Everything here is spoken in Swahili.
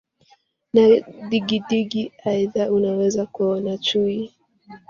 na digidigi Aidha unaweza kuwaona chui